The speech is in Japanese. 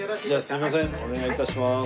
すみませんお願いいたします。